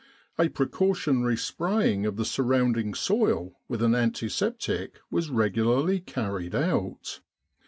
A precautionary spraying of the surrounding soil with an antiseptic was regularly carried out.